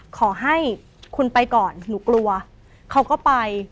ขอให้คุณไปก่อนหนูกลัวเขาก็ไป